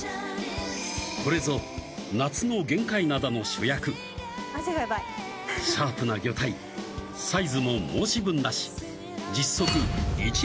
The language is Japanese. これぞ夏の玄界灘の主役汗がヤバいシャープな魚体サイズも申し分なし実測